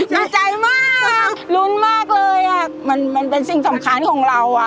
ดีใจมากลุ้นมากเลยอ่ะมันเป็นสิ่งสำคัญของเราอ่ะ